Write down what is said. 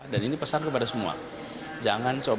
dan ini pesan kepada semua jangan coba coba